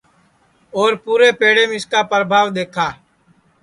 اور پُورے پیڑیم اِس کا پربھاو دؔیکھا